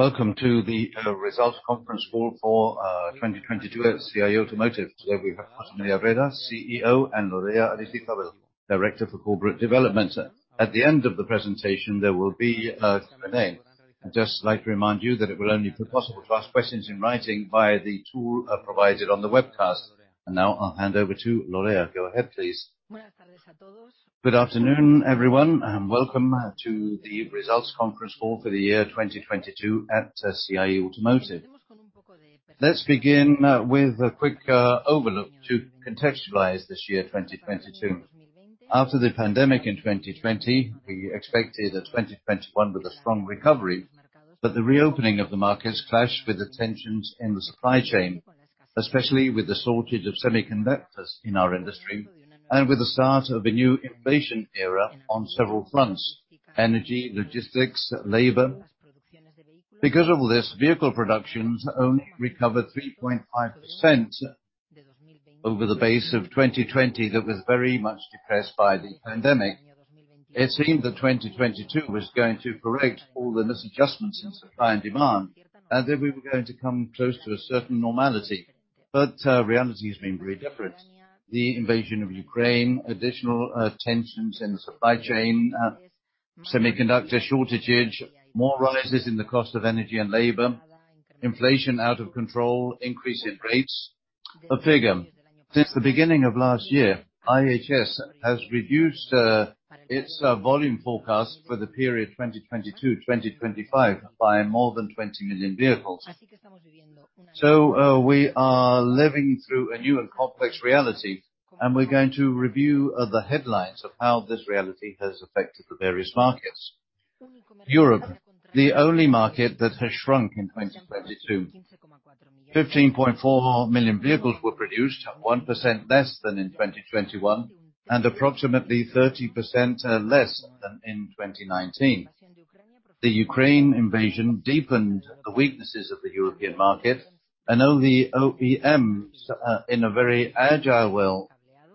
Welcome to the results conference call for 2022 at CIE Automotive. Today we have Jesús María Herrera, CEO, and Lorea Aristizabal, Director for Corporate Development. At the end of the presentation, there will be a Q&A. I'd just like to remind you that it will only be possible to ask questions in writing via the tool provided on the webcast. Now I'll hand over to Lorea. Go ahead, please. Good afternoon, everyone, welcome to the results conference call for the year 2022 at CIE Automotive. Let's begin with a quick overlook to contextualize this year, 2022. After the pandemic in 2020, we expected that 2021 with a strong recovery, but the reopening of the markets clashed with the tensions in the supply chain, especially with the shortage of semiconductors in our industry and with the start of a new inflation era on several fronts: energy, logistics, labor. Because of this, vehicle productions only recovered 3.5% over the base of 2020 that was very much depressed by the pandemic. It seemed that 2022 was going to correct all the misadjustments in supply and demand, and that we were going to come close to a certain normality. Reality has been very different. The invasion of Ukraine, additional tensions in the supply chain, semiconductor shortage, more rises in the cost of energy and labor, inflation out of control, increase in rates. A figure, since the beginning of last year, IHS has reduced its volume forecast for the period 2022, 2025 by more than 20 million vehicles. We are living through a new and complex reality, we're going to review the headlines of how this reality has affected the various markets. Europe, the only market that has shrunk in 2022. 15.4 million vehicles were produced, 1% less than in 2021, and approximately 30% less than in 2019. The Ukraine invasion deepened the weaknesses of the European market, only OEMs in a very agile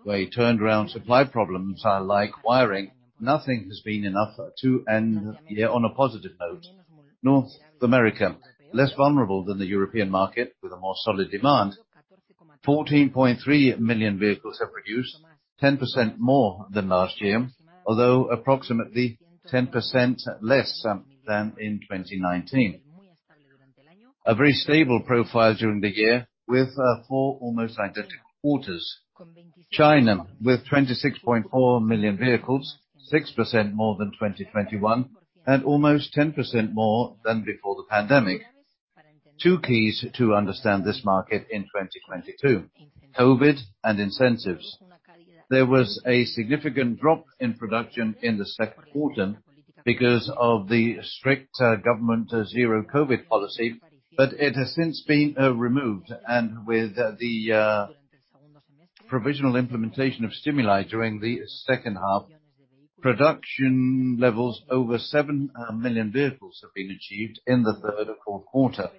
way turned around supply problems like wiring. Nothing has been enough to end the year on a positive note. North America, less vulnerable than the European market with a more solid demand. 14.3 million vehicles have produced, 10% more than last year, although approximately 10% less than in 2019. A very stable profile during the year with four almost identical quarters. China, with 26.4 million vehicles, 6% more than 2021, and almost 10% more than before the pandemic. Two keys to understand this market in 2022, COVID and incentives. There was a significant drop in production in the 2nd quarter because of the strict government zero-COVID policy, but it has since been removed. With the provisional implementation of stimuli during the second half, production levels over 7 million vehicles have been achieved in the 3rd or 4th quarter.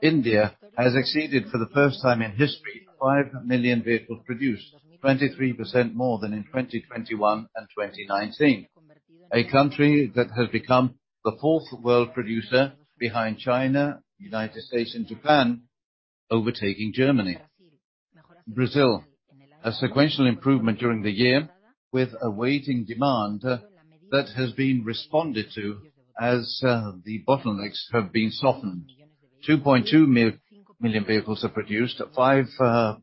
India has exceeded, for the first time in history, 5 million vehicles produced, 23% more than in 2021 and 2019. A country that has become the fourth world producer behind China, U.S., and Japan, overtaking Germany. Brazil, a sequential improvement during the year with awaiting demand that has been responded to as the bottlenecks have been softened. 2.2 million vehicles are produced at 5.5%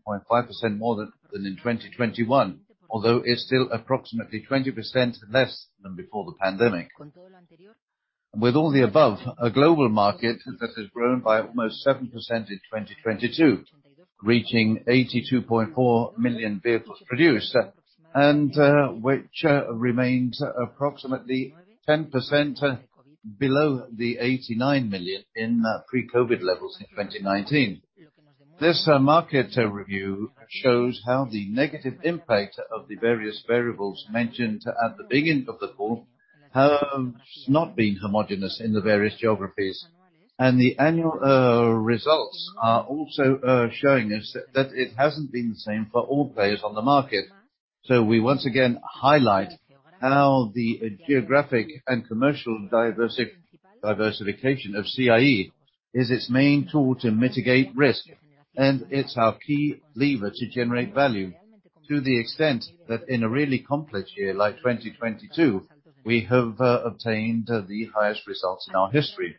more than in 2021, although it's still approximately 20% less than before the pandemic. With all the above, a global market that has grown by almost 7% in 2022, reaching 82.4 million vehicles produced, which remains approximately 10% below the 89 million in pre-COVID levels in 2019. This market review shows how the negative impact of the various variables mentioned at the beginning of the call have not been homogeneous in the various geographies. The annual results are also showing us that it hasn't been the same for all players on the market. We once again highlight how the geographic and commercial diversification of CIE is its main tool to mitigate risk, and it's our key lever to generate value to the extent that in a really complex year like 2022, we have obtained the highest results in our history.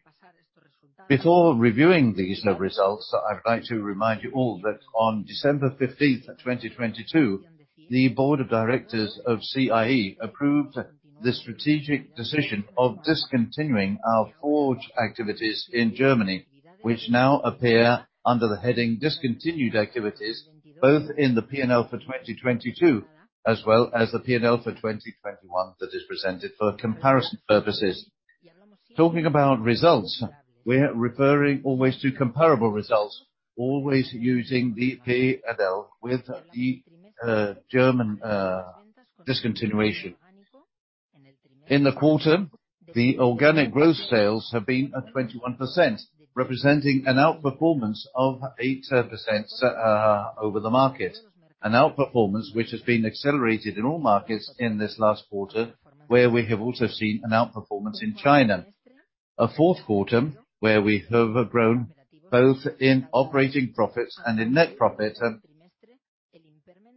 Before reviewing these results, I would like to remind you all that on December 15th, 2022, the board of directors of CIE approved the strategic decision of discontinuing our forge activities in Germany, which now appear under the heading Discontinued Activities, both in the P&L for 2022 as well as the P&L for 2021 that is presented for comparison purposes. Talking about results, we're referring always to comparable results, always using the P&L with the German discontinuation. In the quarter, the organic growth sales have been at 21%, representing an outperformance of 8% over the market. An outperformance which has been accelerated in all markets in this last quarter, where we have also seen an outperformance in China. A fourth quarter where we have grown both in operating profits and in net profits,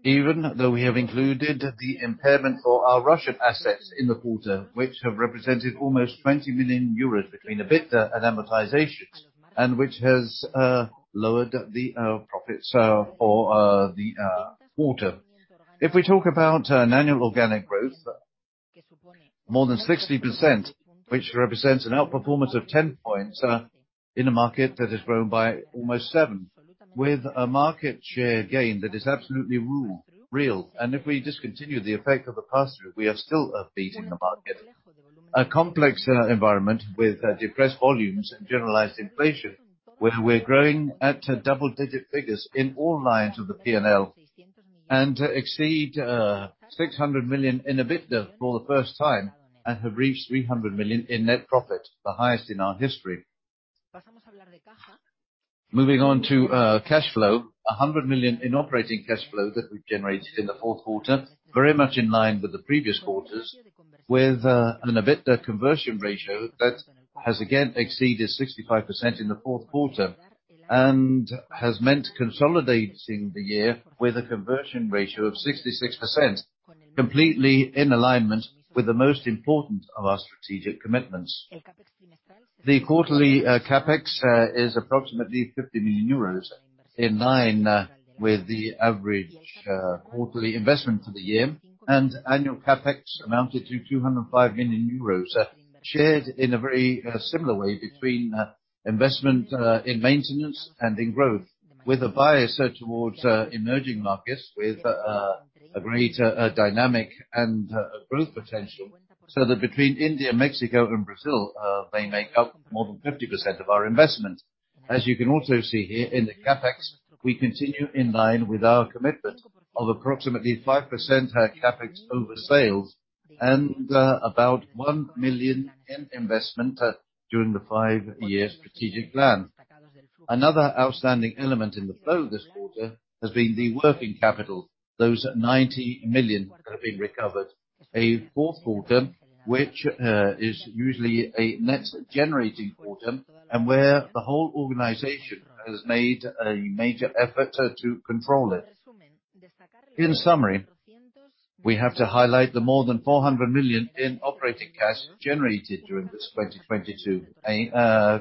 even though we have included the impairment for our Russian assets in the quarter, which have represented almost 20 million euros between EBITDA and amortizations, and which has lowered the profits for the quarter. If we talk about annual organic growth, more than 60%, which represents an outperformance of 10 points, in a market that has grown by almost 7, with a market share gain that is absolutely real. If we discontinue the effect of the pass-through, we are still beating the market. A complex environment with suppressed volumes and generalized inflation, where we're growing at double-digit figures in all lines of the P&L, exceed 600 million in EBITDA for the first time, and have reached 300 million in net profit, the highest in our history. Moving on to cash flow, 100 million in operating cash flow that we've generated in the fourth quarter, very much in line with the previous quarters, with an EBITDA conversion ratio that has again exceeded 65% in the fourth quarter, and has meant consolidating the year with a conversion ratio of 66%, completely in alignment with the most important of our strategic commitments. The quarterly CapEx is approximately 50 million euros, in line with the average quarterly investment for the year. Annual CapEx amounted to 205 million euros, shared in a very similar way between investment in maintenance and in growth, with a bias towards emerging markets with a great dynamic and growth potential, so that between India, Mexico and Brazil, they make up more than 50% of our investment. You can also see here in the CapEx, we continue in line with our commitment of approximately 5% CapEx over sales, and about 1 million in investment during the 5-year strategic plan. Another outstanding element in the flow this quarter has been the working capital, those 90 million have been recovered. A fourth quarter, which is usually a net generating quarter, and where the whole organization has made a major effort to control it. In summary, we have to highlight the more than 400 million in operating cash generated during this 2022.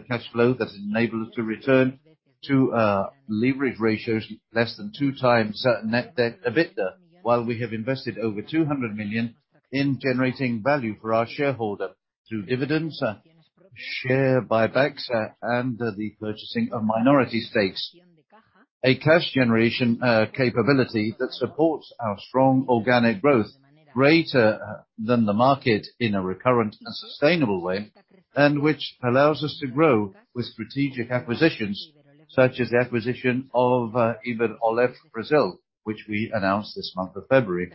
Cash flow that has enabled us to return to leverage ratios less than 2 times net debt EBITDA, while we have invested over 200 million in generating value for our shareholder through dividends, share buybacks, and the purchasing of minority stakes. A cash generation capability that supports our strong organic growth greater than the market in a recurrent and sustainable way. Which allows us to grow with strategic acquisitions, such as the acquisition of Iber-Oleff Brasil, which we announced this month of February.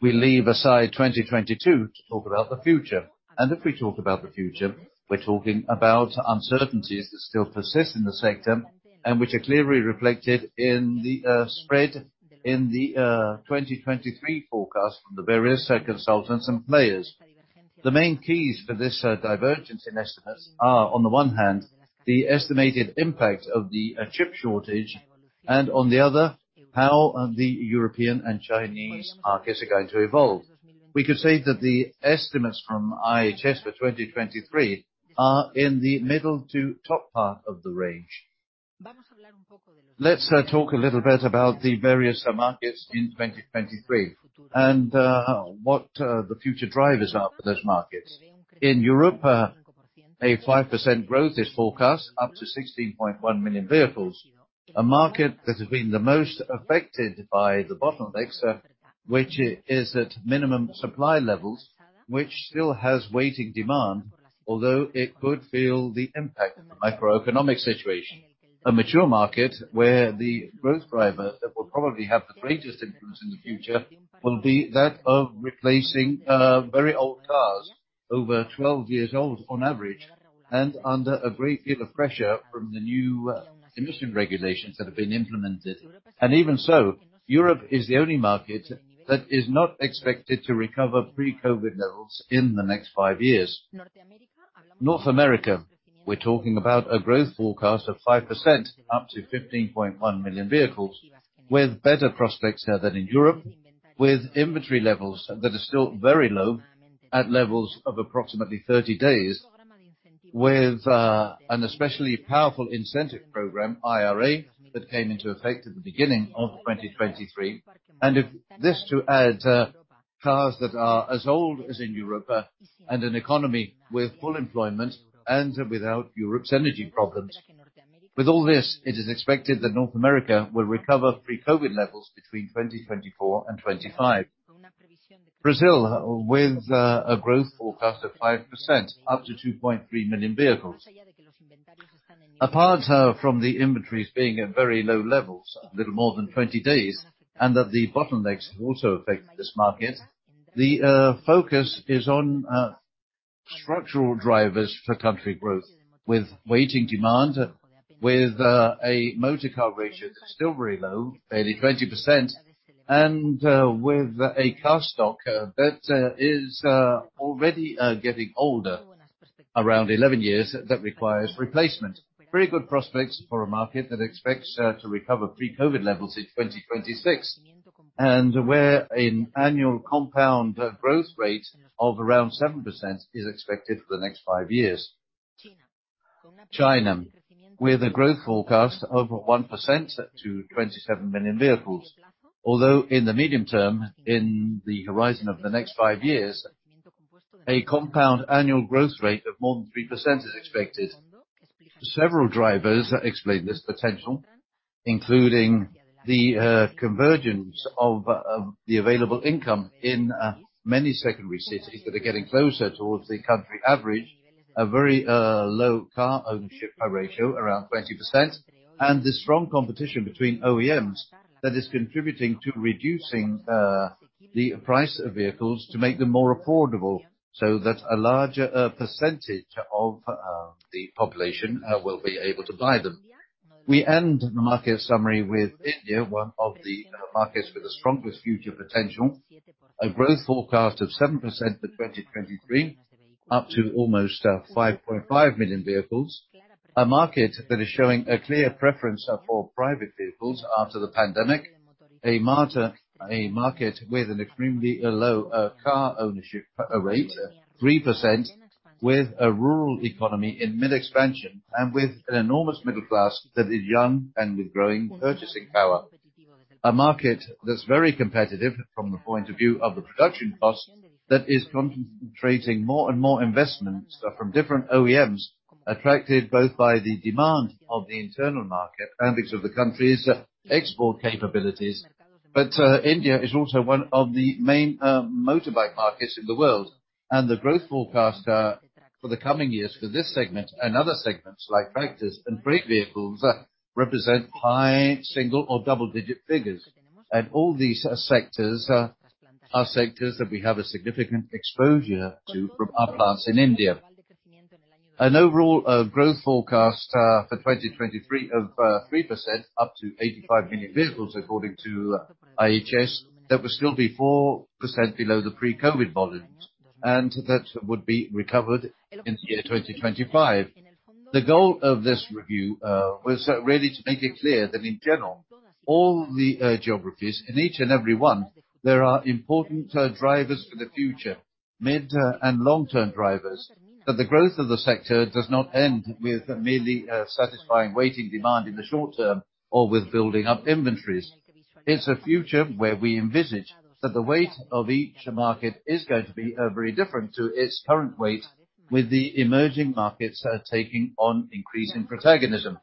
We leave aside 2022 to talk about the future. If we talk about the future, we're talking about uncertainties that still persist in the sector and which are clearly reflected in the spread in the 2023 forecast from the various consultants and players. The main keys for this divergence in estimates are, on the one hand, the estimated impact of the chip shortage, and on the other, how the European and Chinese markets are going to evolve. We could say that the estimates from IHS for 2023 are in the middle to top part of the range. Let's talk a little bit about the various markets in 2023, and what the future drivers are for those markets. In Europe, a 5% growth is forecast, up to 16.1 million vehicles, a market that has been the most affected by the bottlenecks, which is at minimum supply levels, which still has waiting demand, although it could feel the impact of the macroeconomic situation. A mature market where the growth driver that will probably have the greatest influence in the future will be that of replacing very old cars over 12 years old on average, and under a great deal of pressure from the new emission regulations that have been implemented. Even so, Europe is the only market that is not expected to recover pre-COVID levels in the next 5 years. North America, we're talking about a growth forecast of 5%, up to 15.1 million vehicles, with better prospects than in Europe, with inventory levels that are still very low at levels of approximately 30 days, with an especially powerful incentive program, IRA, that came into effect at the beginning of 2023. This to add cars that are as old as in Europe and an economy with full employment and without Europe's energy problems. With all this, it is expected that North America will recover pre-COVID levels between 2024 and 2025. Brazil with a growth forecast of 5%, up to 2.3 million vehicles. Apart from the inventories being at very low levels, a little more than 20 days, and that the bottlenecks have also affected this market, the focus is on Structural drivers for country growth with waiting demand, with a motor car ratio that's still very low, barely 20%, and with a car stock that is already getting older, around 11 years, that requires replacement. Very good prospects for a market that expects to recover pre-COVID levels in 2026, and where an annual compound growth rate of around 7% is expected for the next five years. China, with a growth forecast of 1% to 27 million vehicles, although in the medium term, in the horizon of the next five years, a compound annual growth rate of more than 3% is expected. Several drivers explain this potential, including the convergence of the available income in many secondary cities that are getting closer towards the country average, a very low car ownership ratio, around 20%, and the strong competition between OEMs that is contributing to reducing the price of vehicles to make them more affordable, so that a larger percentage of the population will be able to buy them. We end the market summary with India, one of the markets with the strongest future potential. A growth forecast of 7% for 2023, up to almost 5.5 million vehicles. A market that is showing a clear preference for private vehicles after the pandemic. A market with an extremely low car ownership rate, 3%, with a rural economy in mid-expansion and with an enormous middle class that is young and with growing purchasing power. A market that's very competitive from the point of view of the production cost, that is concentrating more and more investments from different OEMs, attracted both by the demand of the internal market and because of the country's export capabilities. India is also one of the main motorbike markets in the world. The growth forecast for the coming years for this segment and other segments like tractors and freight vehicles represent high single or double-digit figures. All these sectors are sectors that we have a significant exposure to from our plants in India. An overall growth forecast for 2023 of 3% up to 85 million vehicles according to IHS. That would still be 4% below the pre-COVID volumes, and that would be recovered in the year 2025. The goal of this review was really to make it clear that in general, all the geographies in each and every one, there are important drivers for the future, mid and long-term drivers, that the growth of the sector does not end with merely satisfying waiting demand in the short term or with building up inventories. It's a future where we envisage that the weight of each market is going to be very different to its current weight with the emerging markets taking on increasing protagonism.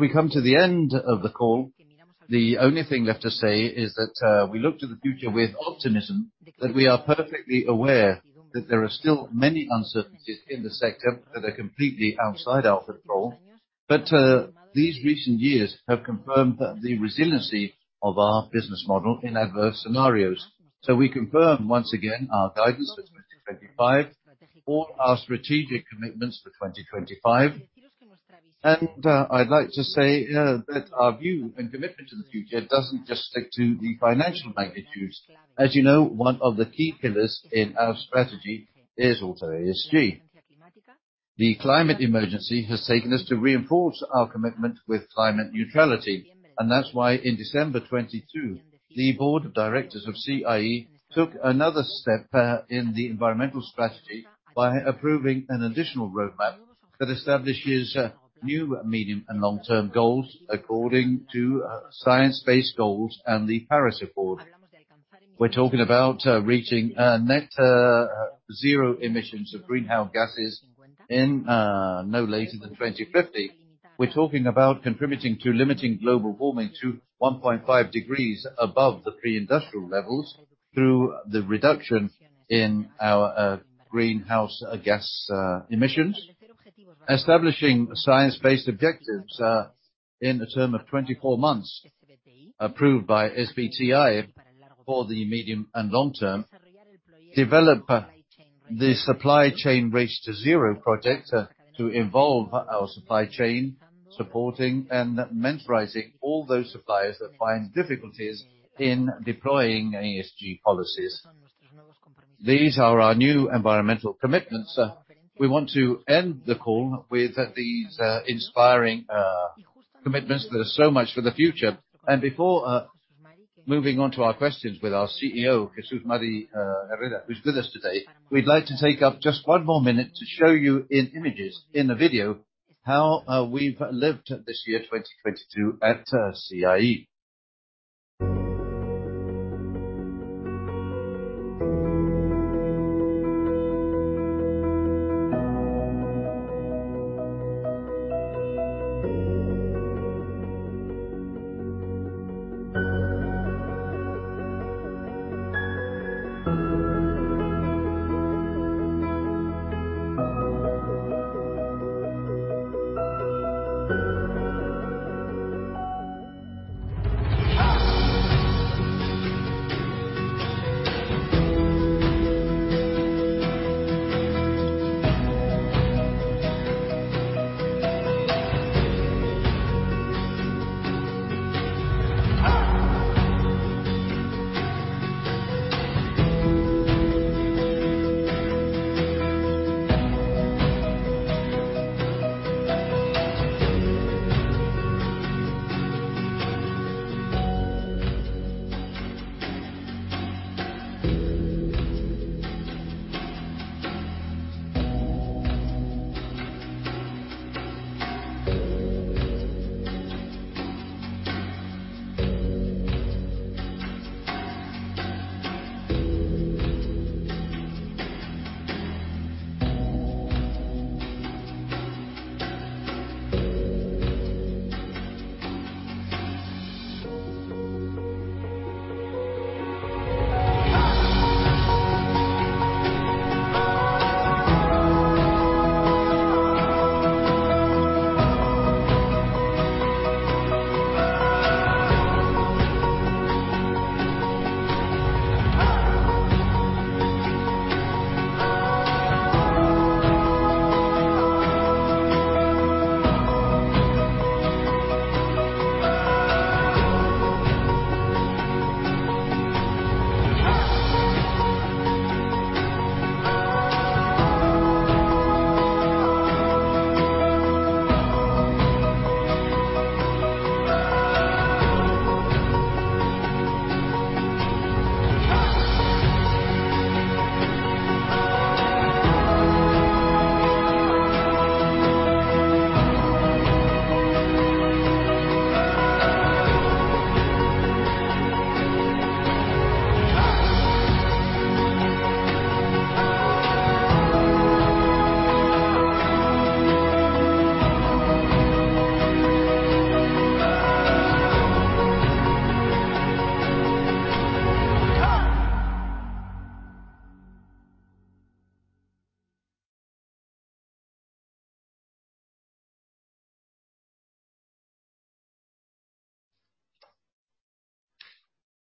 We come to the end of the call. The only thing left to say is that we look to the future with optimism. We are perfectly aware that there are still many uncertainties in the sector that are completely outside our control. These recent years have confirmed the resiliency of our business model in adverse scenarios. We confirm once again our guidance for 2025, all our strategic commitments for 2025. I'd like to say that our view and commitment to the future doesn't just stick to the financial magnitudes. As you know, one of the key pillars in our strategy is also ESG. The climate emergency has taken us to reinforce our commitment with climate neutrality. That's why in December 2022, the board of directors of CIE took another step in the environmental strategy by approving an additional roadmap that establishes new medium and long-term goals according to science-based goals and the Paris Accord. We're talking about reaching net-zero emissions of greenhouse gases no later than 2050. We're talking about contributing to limiting global warming to 1.5 degrees above the pre-industrial levels through the reduction in our greenhouse gas emissions. Establishing science-based objectives in a term of 24 months approved by SBTi for the medium and long term. Develop the supply chain Race to Zero project to involve our supply chain, supporting and mentoring all those suppliers that find difficulties in deploying ESG policies. These are our new environmental commitments. We want to end the call with these inspiring commitments that are so much for the future. Before moving on to our questions with our CEO, Jesús Mari Herrera, who's with us today, we'd like to take up just one more minute to show you in images, in a video, how we've lived this year, 2022, at CIE.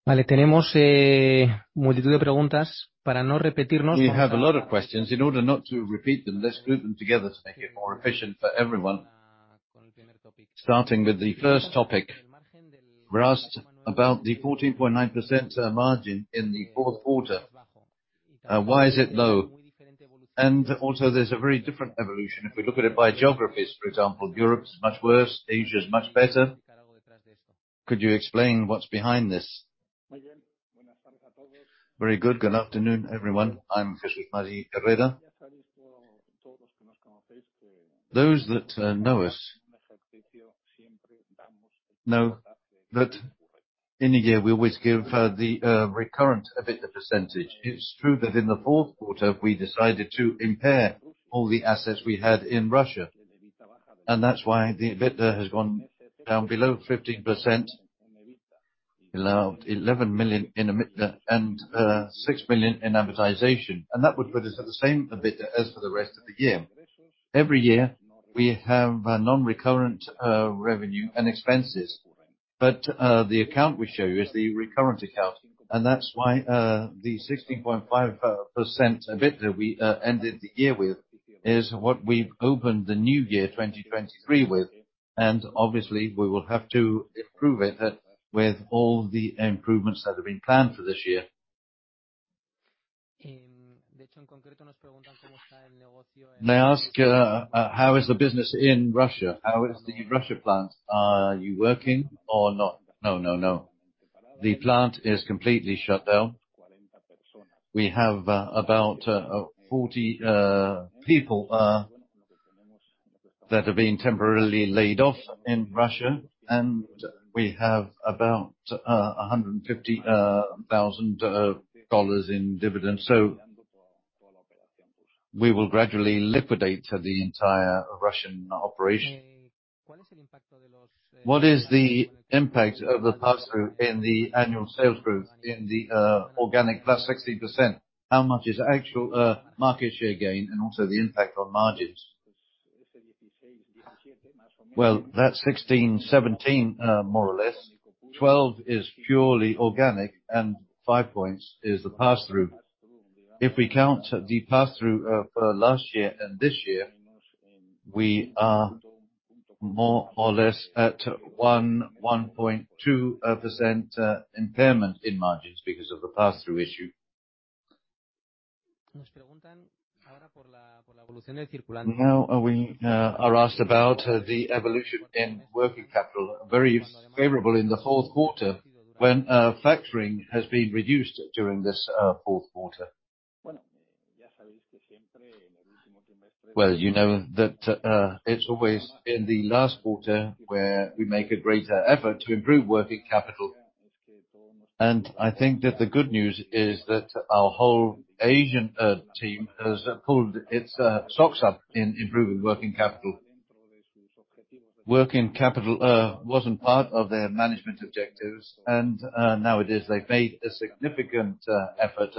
We have a lot of questions. In order not to repeat them, let's group them together to make it more efficient for everyone. Starting with the first topic, we're asked about the 14.9% margin in the fourth quarter. Why is it low? Also, there's a very different evolution if we look at it by geographies. For example, Europe is much worse, Asia is much better. Could you explain what's behind this? Very good. Good afternoon, everyone. I'm Jesús Mari Herrera. Those that know us know that in a year, we always give the recurrent EBITDA percentage. It's true that in the fourth quarter, we decided to impair all the assets we had in Russia, that's why the EBITDA has gone down below 15, below 11 million and 6 million in amortization. That would put us at the same EBITDA as for the rest of the year. Every year, we have non-recurrent revenue and expenses. The account we show you is the recurrent account, that's why the 16.5% EBITDA we ended the year with is what we've opened the new year, 2023, with. Obviously, we will have to improve it with all the improvements that have been planned for this year. They ask, how is the business in Russia? How is the Russia plant? Are you working or not? No, no. The plant is completely shut down. We have about 40 people that are being temporarily laid off in Russia, and we have about $150,000 in dividends. We will gradually liquidate the entire Russian operation. What is the impact of the pass-through in the annual sales growth in the organic plus 16%? How much is actual market share gain and also the impact on margins? Well, that's 16, 17, more or less. 12 is purely organic, and 5 points is the pass-through. If we count the pass-through for last year and this year, we are more or less at 1.1%-1.2% impairment in margins because of the pass-through issue. Now we are asked about the evolution in working capital. Very favorable in the fourth quarter when factoring has been reduced during this fourth quarter. Well, you know that it's always in the last quarter where we make a greater effort to improve working capital. I think that the good news is that our whole Asian team has pulled its socks up in improving working capital. Working capital wasn't part of their management objectives. Nowadays, they've made a significant effort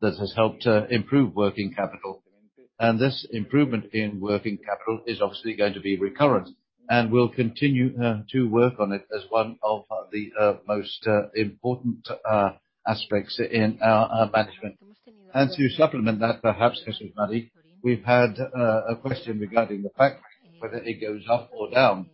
that has helped improve working capital. This improvement in working capital is obviously going to be recurrent, and we'll continue to work on it as one of the most important aspects in our management. To supplement that, perhaps, this is Mari, we've had a question regarding the fact whether it goes up or down.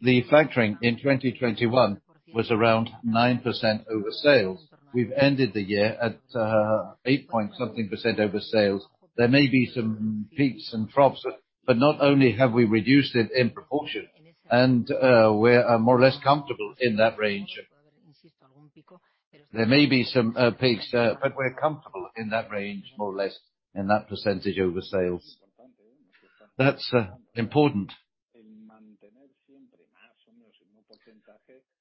The factoring in 2021 was around 9% over sales. We've ended the year at 8-point-something % over sales. There may be some peaks and troughs, but not only have we reduced it in proportion, and we're more or less comfortable in that range. There may be some peaks, but we're comfortable in that range, more or less, in that percentage over sales. That's important.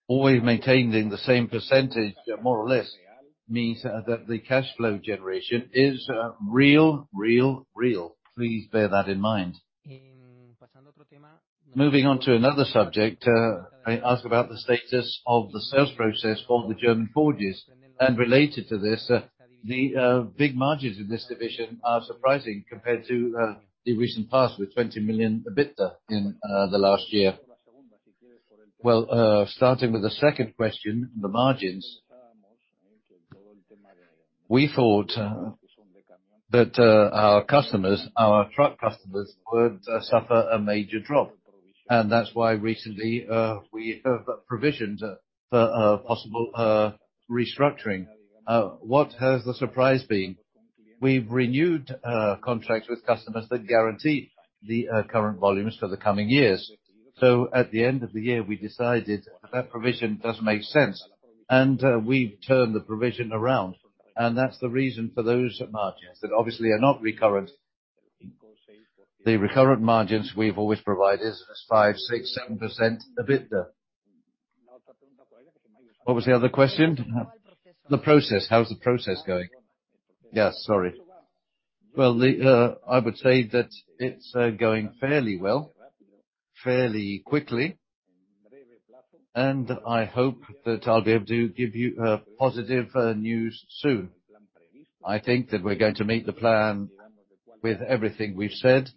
Always maintaining the same percentage, more or less, means that the cash flow generation is real. Please bear that in mind. Moving on to another subject, I ask about the status of the sales process for the German forges. Related to this, the big margins in this division are surprising compared to the recent past with 20 million EBITDA in the last year. Well, starting with the second question, the margins, we thought that our customers, our truck customers, would suffer a major drop, and that's why recently, we have provisioned for a possible restructuring. What has the surprise been? We've renewed contracts with customers that guarantee the current volumes for the coming years. At the end of the year, we decided that provision doesn't make sense, and we turned the provision around, and that's the reason for those margins that obviously are not recurrent. The recurrent margins we've always provided is 5%, 6%, 7% EBITDA. What was the other question? The process. How is the process going? Yeah, sorry. Well, the I would say that it's going fairly well, fairly quickly, and I hope that I'll be able to give you positive news soon. I think that we're going to meet the plan with everything we've said.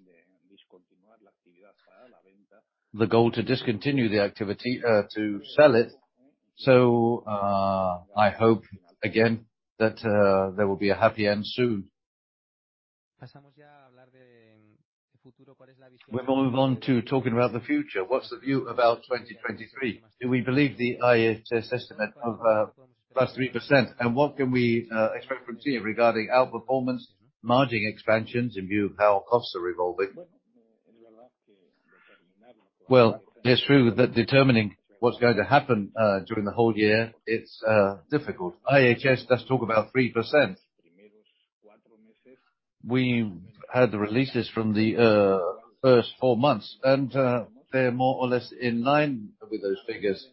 The goal to discontinue the activity, to sell it, I hope again that there will be a happy end soon. We move on to talking about the future. What's the view about 2023? Do we believe the IHS estimate of plus 3%, what can we expect from CIE regarding our performance, margin expansions in view of how costs are evolving? Well, it's true that determining what's going to happen during the whole year, it's difficult. IHS does talk about 3%. We've had the releases from the first four months, they're more or less in line with those figures.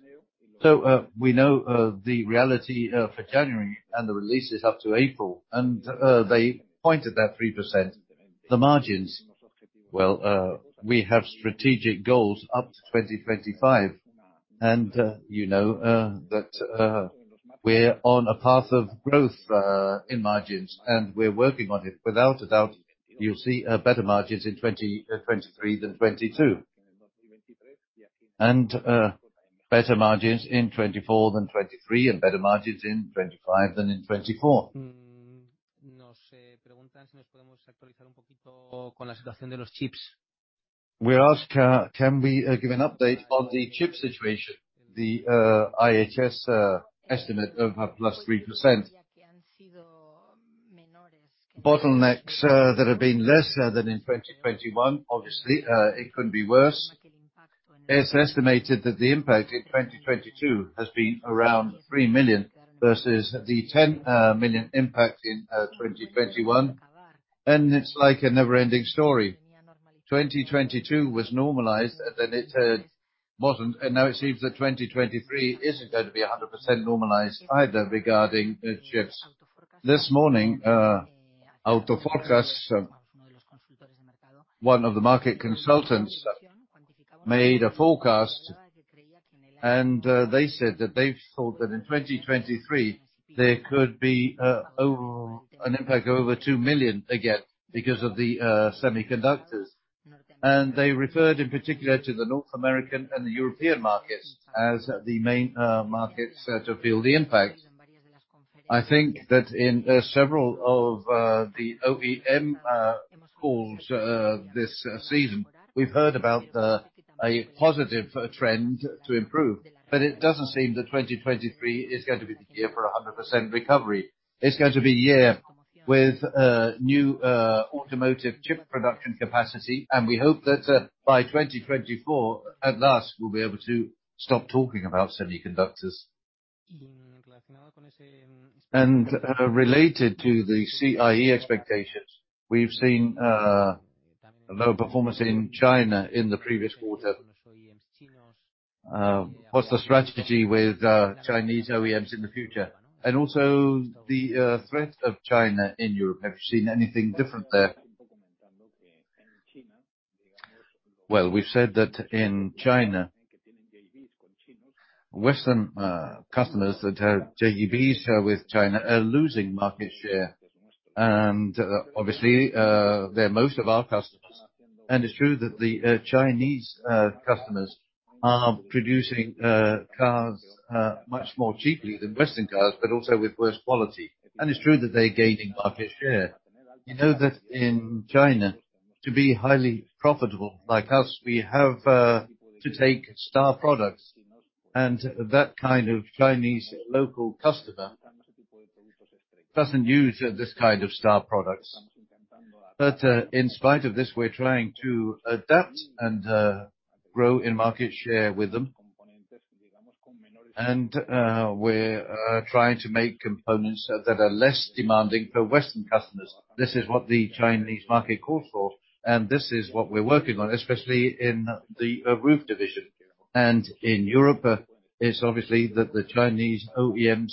We know the reality for January and the releases up to April, they pointed that 3%. The margins, well, we have strategic goals up to 2025, you know that we're on a path of growth in margins, we're working on it. Without a doubt, you'll see better margins in 2023 than 2022, and better margins in 2024 than 2023, and better margins in 2025 than in 2024. We ask, can we give an update on the chip situation, the IHS estimate of +3%. Bottlenecks that have been less than in 2021, obviously, it couldn't be worse. It's estimated that the impact in 2022 has been around 3 million, versus the 10 million impact in 2021, and it's like a never-ending story. 2022 was normalized, and then it wasn't, and now it seems that 2023 isn't going to be 100% normalized either regarding the chips. This morning, Auto Forecast, one of the market consultants, made a forecast and they said that they thought that in 2023, there could be over... an impact of over 2 million again because of the semiconductors. They referred in particular to the North American and the European markets as the main markets to feel the impact. I think that in several of the OEM calls this season, we've heard about a positive trend to improve, but it doesn't seem that 2023 is going to be the year for 100% recovery. It's going to be a year with new automotive chip production capacity, and we hope that by 2024, at last, we'll be able to stop talking about semiconductors. Related to the CIE expectations, we've seen a low performance in China in the previous quarter. What's the strategy with Chinese OEMs in the future? The threat of China in Europe, have you seen anything different there? We've said that in China-Western customers that have JVs with China are losing market share. They're most of our customers. It's true that the Chinese customers are producing cars much more cheaply than Western cars, but also with worse quality. It's true that they're gaining market share. You know that in China, to be highly profitable like us, we have to take star products, and that kind of Chinese local customer doesn't use this kind of star products. In spite of this, we're trying to adapt and grow in market share with them. We're trying to make components that are less demanding for Western customers. This is what the Chinese market calls for, and this is what we're working on, especially in the roof division. In Europe, it's obviously that the Chinese OEMs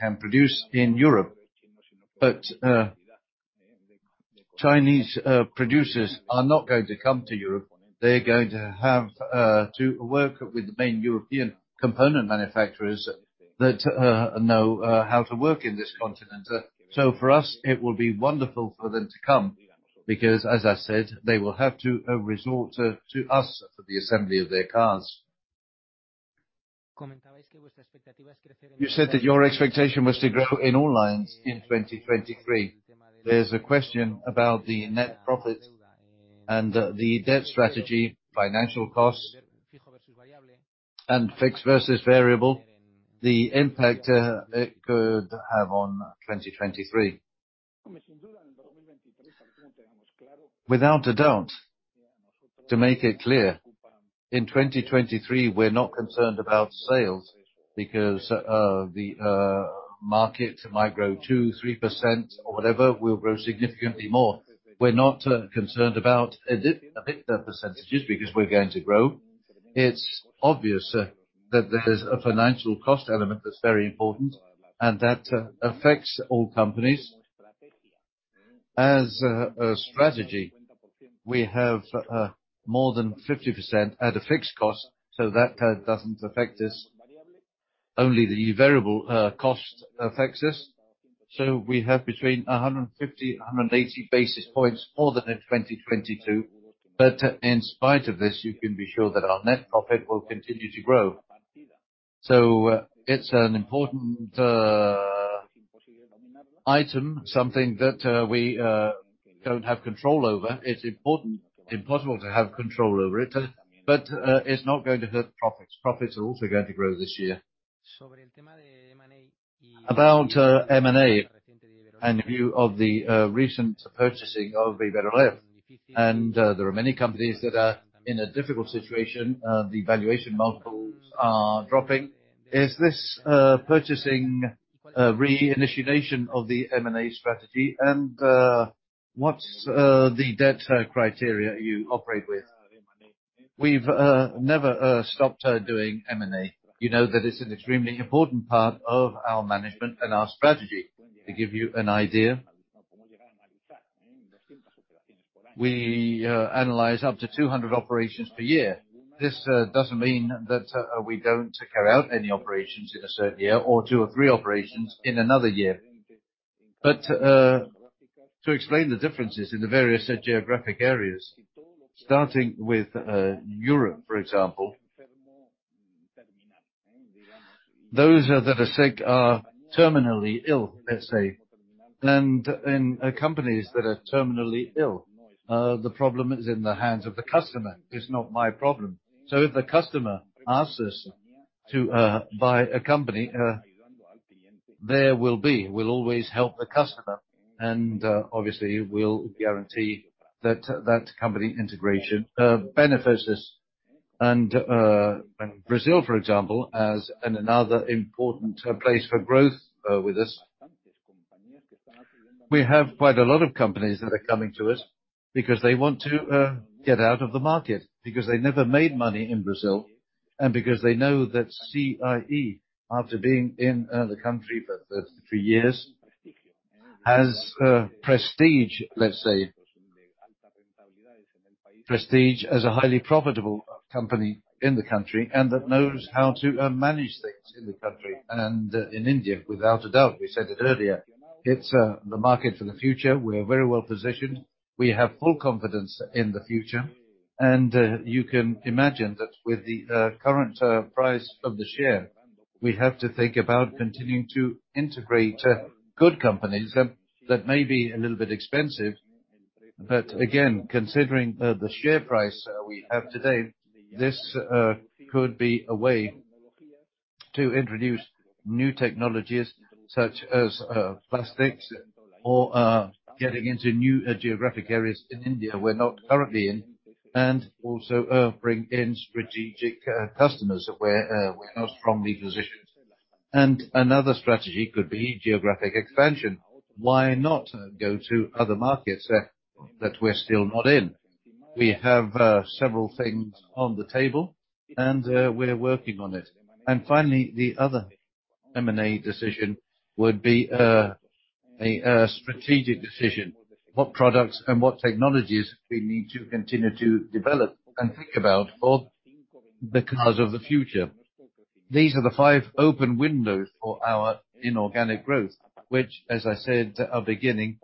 can produce in Europe. Chinese producers are not going to come to Europe. They're going to have to work with the main European component manufacturers that know how to work in this continent. For us, it will be wonderful for them to come because as I said, they will have to resort to us for the assembly of their cars. You said that your expectation was to grow in all lines in 2023. There's a question about the net profit and the debt strategy, financial costs, and fixed versus variable, the impact it could have on 2023. Without a doubt, to make it clear, in 2023, we're not concerned about sales because the market might grow 2%, 3% or whatever, we'll grow significantly more. We're not concerned about it. I think the percentages, because we're going to grow, it's obvious that there is a financial cost element that's very important and that affects all companies. As a strategy, we have more than 50% at a fixed cost, so that doesn't affect us. Only the variable cost affects us. We have between 150, 180 basis points more than in 2022. In spite of this, you can be sure that our net profit will continue to grow. It's an important item, something that we don't have control over. It's impossible to have control over it, but it's not going to hurt profits. Profits are also going to grow this year. About M&A and view of the recent purchasing of Iber-Oleff. There are many companies that are in a difficult situation. The valuation multiples are dropping. Is this purchasing reinitiation of the M&A strategy? What's the debt criteria you operate with? We've never stopped doing M&A. You know that it's an extremely important part of our management and our strategy. To give you an idea, we analyze up to 200 operations per year. This doesn't mean that we don't carry out any operations in a certain year or 2 or 3 operations in another year. To explain the differences in the various geographic areas, starting with Europe, for example. Those that are sick are terminally ill, let's say. In companies that are terminally ill, the problem is in the hands of the customer. It's not my problem. If the customer asks us to buy a company, there will be. We'll always help the customer, and obviously, we'll guarantee that that company integration benefits us. Brazil, for example, as another important place for growth with us, we have quite a lot of companies that are coming to us because they want to get out of the market because they never made money in Brazil and because they know that CIE, after being in the country for years, has prestige, let's say. Prestige as a highly profitable company in the country and that knows how to manage things in the country. In India, without a doubt, we said it earlier, it's the market for the future. We are very well-positioned. We have full confidence in the future. You can imagine that with the current price of the share, we have to think about continuing to integrate good companies that may be a little bit expensive. Again, considering the share price we have today, this could be a way to introduce new technologies such as plastics or getting into new geographic areas in India we're not currently in, and also bring in strategic customers where we're not strongly positioned. Another strategy could be geographic expansion. Why not go to other markets that we're still not in? We have several things on the table, and we're working on it. Finally, the other M&A decision would be a strategic decision. What products and what technologies we need to continue to develop and think about for the cars of the future. These are the five open windows for our inorganic growth, which, as I said at the beginning,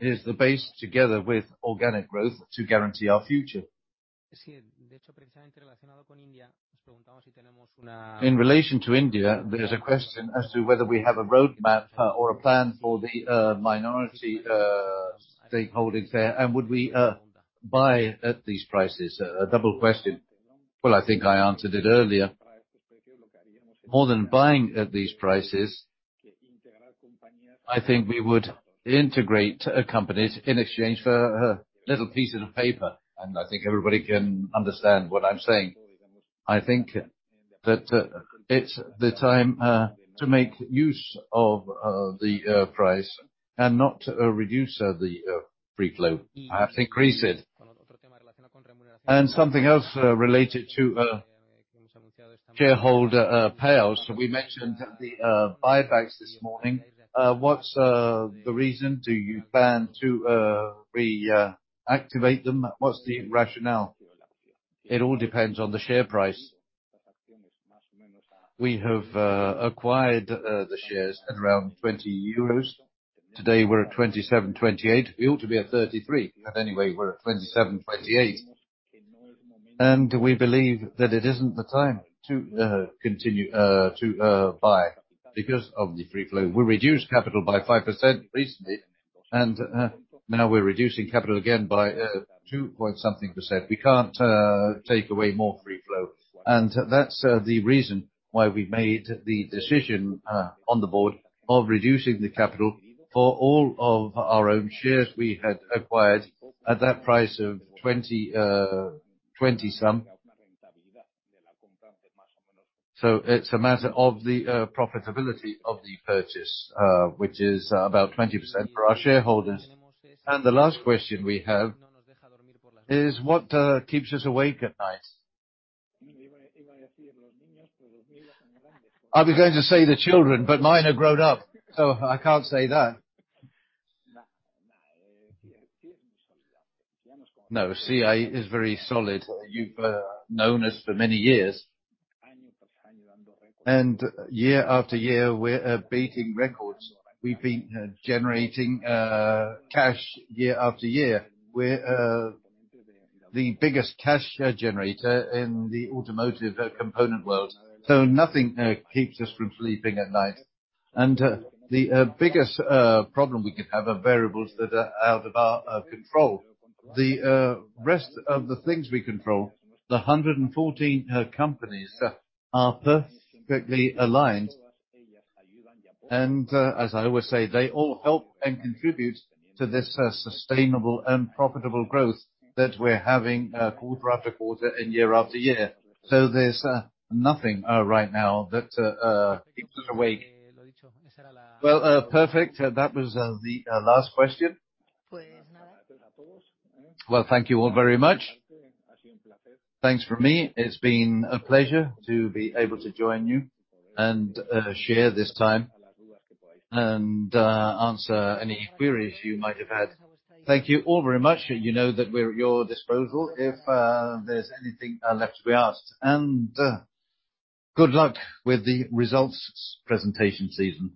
is the base, together with organic growth, to guarantee our future. In relation to India, there's a question as to whether we have a roadmap or a plan for the minority stakeholdings there, and would we buy at these prices? A double question. I think I answered it earlier. More than buying at these prices, I think we would integrate companies in exchange for a little piece of the paper, and I think everybody can understand what I'm saying. I think that it's the time to make use of the price and not to reduce the free flow. Increase it. Something else related to shareholder payouts. We mentioned the buybacks this morning. What's the reason? Do you plan to reactivate them? What's the rationale? It all depends on the share price. We have acquired the shares at around 20 euros. Today, we're at 27, 28. We ought to be at 33, but anyway, we're at 27, 28. We believe that it isn't the time to continue to buy because of the free flow. We reduced capital by 5% recently, and now we're reducing capital again by 2-point-something%. We can't take away more free flow. That's the reason why we made the decision on the board of reducing the capital for all of our own shares we had acquired at that price of 20, twenty-some. It's a matter of the profitability of the purchase, which is about 20% for our shareholders. The last question we have is, what keeps us awake at night? I was going to say the children, but mine have grown up, so I can't say that. No, CIE is very solid. You've known us for many years. Year after year, we're beating records. We've been generating cash year after year. We're the biggest cash generator in the automotive component world, so nothing keeps us from sleeping at night. The biggest problem we could have are variables that are out of our control. The rest of the things we control, the 114 companies are perfectly aligned. As I always say, they all help and contribute to this sustainable and profitable growth that we're having quarter after quarter and year after year. There's nothing right now that keeps us awake. Well, perfect. That was the last question. Well, thank you all very much. Thanks from me. It's been a pleasure to be able to join you and share this time and answer any queries you might have had. Thank you all very much. You know that we're at your disposal if there's anything left to be asked. Good luck with the results presentation season.